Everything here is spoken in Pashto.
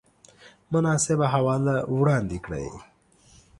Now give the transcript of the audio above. مناسبه حواله وړاندې کړئ